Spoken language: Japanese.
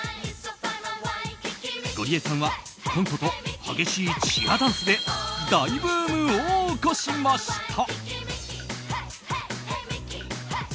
ゴリエさんはコントと激しいチアダンスで大ブームを起こしました。